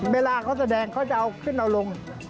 เวลาเขาแสดงเขาจะเอาขึ้นเอาลง